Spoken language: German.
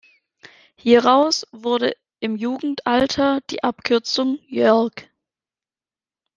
Hieraus wurde im Jugendalter die Abkürzung "Jörg".